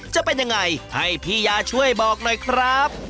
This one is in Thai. จะเป็นยังไงให้พี่ยาช่วยบอกหน่อยครับ